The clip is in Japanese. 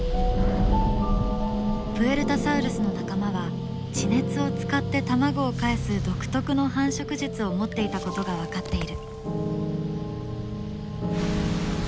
プエルタサウルスの仲間は地熱を使って卵をかえす独特の繁殖術を持っていたことが分かっている。